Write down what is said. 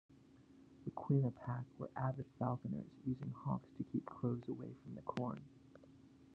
The Quinnipiac were avid falconers, using hawks to keep crows away from the corn.